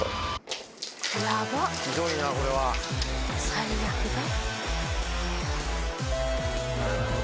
最悪だ。